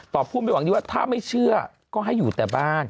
พูดไม่หวังดีว่าถ้าไม่เชื่อก็ให้อยู่แต่บ้าน